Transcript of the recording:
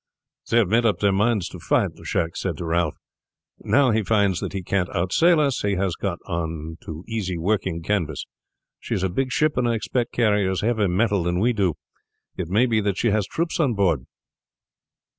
"They have made up their minds to fight," Jacques said to Ralph. "Now he finds that he can't outsail us he has got on to easy working canvas. She is a big ship, and I expect carries heavier metal than we do. It may be that she has troops on board."